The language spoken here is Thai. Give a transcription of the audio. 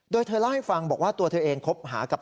โดยเธอเล่าให้ฟังบอกว่าตัวเธอเองคบหากับ